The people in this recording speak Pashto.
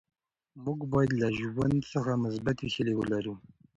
موږ باید له ژوند څخه مثبتې هیلې ولرو.